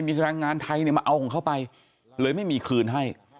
มีแรงงานไทยเนี่ยมาเอาของเขาไปเลยไม่มีคืนให้